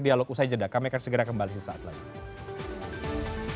dialog usai jeda kami akan segera kembali di saat lain